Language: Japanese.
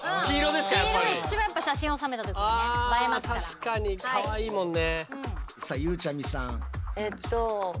あ確かにかわいいもんね。